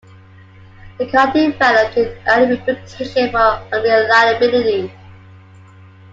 The car developed an early reputation for unreliability.